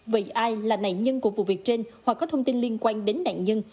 vậy ai là nạn nhân của vụ việc trên hoặc có thông tin liên quan đến nạn nhân